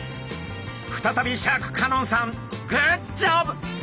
再びシャーク香音さんグッジョブ！